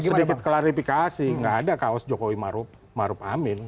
sedikit klarifikasi nggak ada kaos jokowi maruf amin